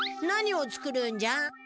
何を作るんじゃ？